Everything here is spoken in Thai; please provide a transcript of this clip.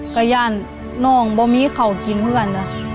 ก็ย่านนอกบ่มีเขากินก็กัน